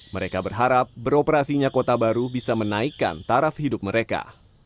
mereka berharap beroperasinya kota baru bisa menaikkan taraf hidup mereka